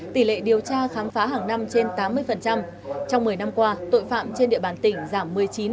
tỷ lệ điều tra khám phá hàng năm trên tám mươi trong một mươi năm qua tội phạm trên địa bàn tỉnh giảm một mươi chín